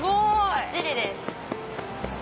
ばっちりです。